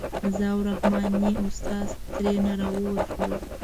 زه او رحماني استاد ترېنه راووتلو.